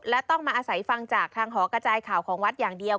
และต้องมาอาศัยฟังจากทางหอกระจายข่าวของวัดอย่างเดียว